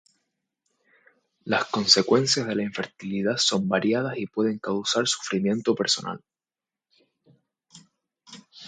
Las consecuencias de la infertilidad son variadas y pueden causar sufrimiento personal.